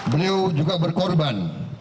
beliau juga berkorban